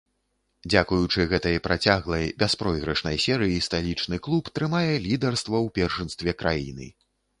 Дзякуючы гэтай працяглай бяспройгрышнай серыі сталічны клуб трымае лідарства ў першынстве краіны.